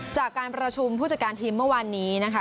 จากการประชุมผู้จัดการทีมเมื่อวานนี้นะคะ